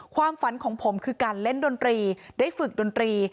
ความฝันของผมคือการเล่นดนตรีได้ฝึกดนตรี